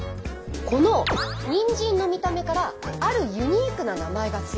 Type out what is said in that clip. このにんじんの見た目からあるユニークな名前が付いています。